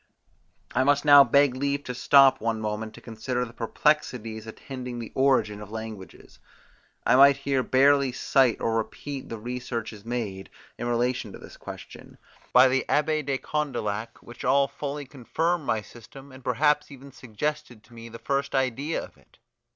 I must now beg leave to stop one moment to consider the perplexities attending the origin of languages. I might here barely cite or repeat the researches made, in relation to this question, by the Abbe de Condillac, which all fully confirm my system, and perhaps even suggested to me the first idea of it.